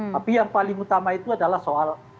tapi yang paling utama itu adalah soal